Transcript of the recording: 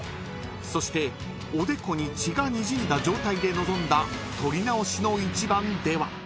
［そしておでこに血がにじんだ状態で臨んだ取り直しの一番では］